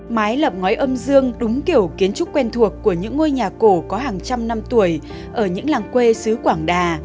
mái lập ngói âm dương đúng kiểu kiến trúc quen thuộc của những ngôi nhà cổ có hàng trăm năm tuổi ở những làng quê xứ quảng đà